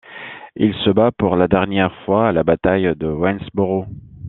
Il se bat pour la dernière fois à la bataille de Waynesboro.